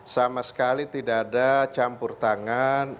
sama sekali tidak ada campur tangan